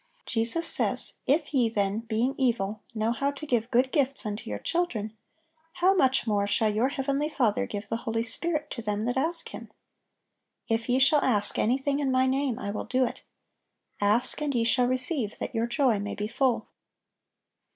Jesus says: "If ye then, being evil, know how to give good gifts unto your children: how much more shall your heavenly Father give the Holy Spirit to them that ask Him?"(825) "If ye shall ask anything in My name, I will do it." "Ask, and ye shall receive, that your joy may be full."